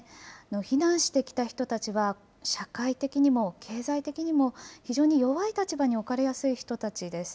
避難してきた人たちは、社会的にも経済的にも非常に弱い立場に置かれやすい人たちです。